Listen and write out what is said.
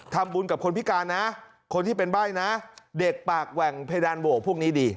ทำบุญกับคนพิการนะคนที่เป็นใบ้นะเด็กปากแหว่งเพดานโหวพวกนี้ดี